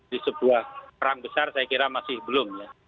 di sebuah perang besar saya kira masih belum ya